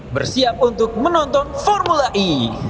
bersiap untuk menonton formula e